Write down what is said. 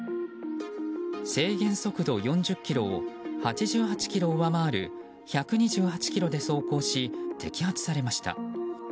制限速度４０キロを８８キロ上回る１２８キロで走行し摘発されました。